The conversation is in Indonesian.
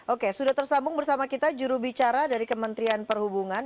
oke sudah tersambung bersama kita jurubicara dari kementerian perhubungan